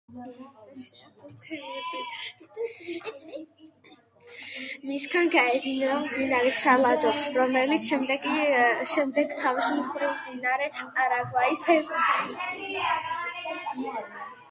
მისგან გაედინება მდინარე სალადო, რომელიც შემდეგ თავის მხრივ მდინარე პარაგვაის ერწყმის.